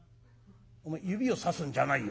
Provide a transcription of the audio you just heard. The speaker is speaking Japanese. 「お前指をさすんじゃないよ。